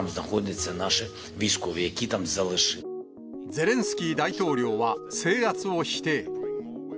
ゼレンスキー大統領は制圧を否定。